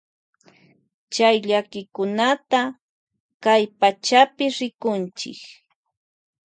Chay llakikunata rikunchi kay pachapi.